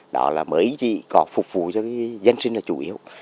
đó là mới chỉ có phục vụ cho dân sinh là chủ yếu